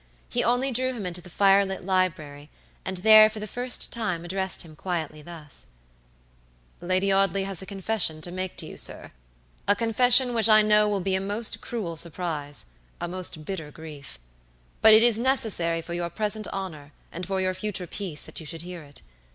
He only drew him into the fire lit library, and there for the first time addressed him quietly thus: "Lady Audley has a confession to make to you, sira confession which I know will be a most cruel surprise, a most bitter grief. But it is necessary for your present honor, and for your future peace, that you should hear it.